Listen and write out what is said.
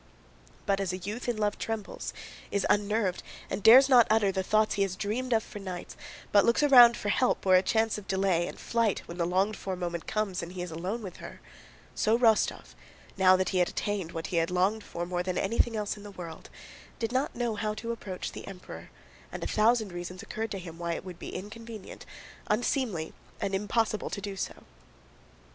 But as a youth in love trembles, is unnerved, and dares not utter the thoughts he has dreamed of for nights, but looks around for help or a chance of delay and flight when the longed for moment comes and he is alone with her, so Rostóv, now that he had attained what he had longed for more than anything else in the world, did not know how to approach the Emperor, and a thousand reasons occurred to him why it would be inconvenient, unseemly, and impossible to do so.